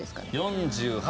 ４８。